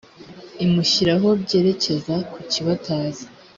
imushyiraho byerekeza ku ki bataza